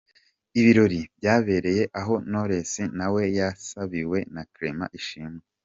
Ibi birori byabereye aho Knowless na we yasabiwe na Clement Ishimwe.